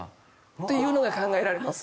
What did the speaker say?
というのが考えられます。